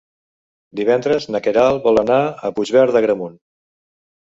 Divendres na Queralt vol anar a Puigverd d'Agramunt.